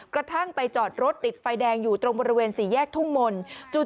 กระทั่งไปจอดรถติดไฟแดงอยู่ตรงบริเวณสี่แยกทุ่งมนต์